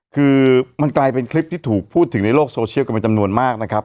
คือมันกลายเป็นคลิปที่ถูกพูดถึงในโลกโซเชียลกันเป็นจำนวนมากนะครับ